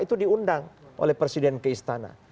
itu diundang oleh presiden keistana